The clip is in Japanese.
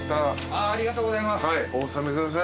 ありがとうございます。